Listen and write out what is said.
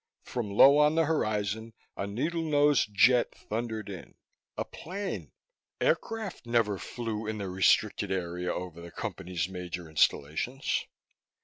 From low on the horizon, a needle nosed jet thundered in. A plane! Aircraft never flew in the restricted area over the Company's major installations.